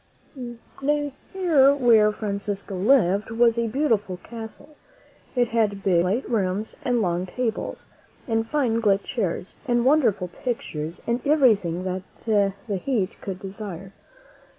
Near where Francisco lived was a beautiful castle. It had big, light rooms, and long tables, and fine gilt chairs, and wonderful pictures, and everything that the heart could desire.